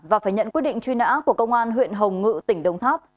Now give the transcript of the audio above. và phải nhận quyết định truy nã của công an huyện hồng ngự tỉnh đồng tháp